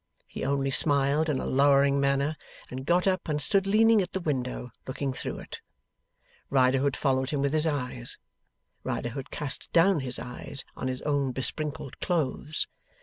He only smiled in a lowering manner, and got up and stood leaning at the window, looking through it. Riderhood followed him with his eyes. Riderhood cast down his eyes on his own besprinkled clothes.